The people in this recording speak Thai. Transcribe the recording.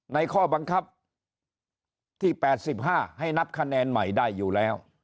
ข้อบังคับที่๘๕ให้นับคะแนนใหม่ได้อยู่แล้ว